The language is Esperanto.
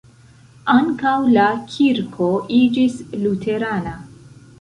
Ankaŭ la kirko iĝis luterana.